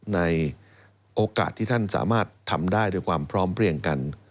ในโอกาสที่ท่านสามารถทำได้ด้วยความพร้อมเพลี่ยงกัน